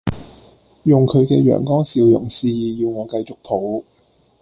用佢嘅陽光笑容示意要我繼續抱